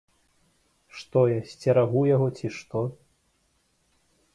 Што, я сцерагу яго, ці што?